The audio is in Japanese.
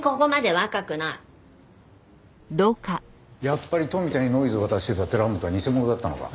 やっぱり富田にノイズを渡してた寺本は偽者だったのか。